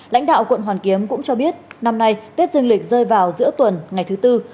lãnh đạo quận hoàn kiếm cũng cho biết năm nay tết dương lịch rơi vào giữa tuần ngày thứ tư